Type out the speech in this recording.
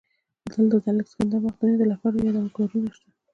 دلته د الکسندر مقدوني د لښکرو یادګارونه شته